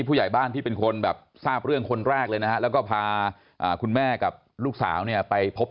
ผู้ใหญ่บ้านที่เป็นคนแบบทราบเรื่องคนแรกเลยนะฮะแล้วก็พาคุณแม่กับลูกสาวเนี่ยไปพบ